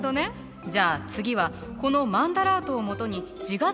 じゃあ次はこのマンダラートをもとに自画像を描いてみましょう。